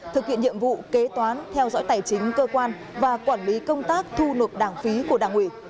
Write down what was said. thực hiện nhiệm vụ kế toán theo dõi tài chính cơ quan và quản lý công tác thu nộp đảng phí của đảng ủy